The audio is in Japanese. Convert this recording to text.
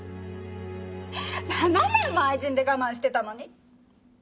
７年も愛人で我慢してたのに！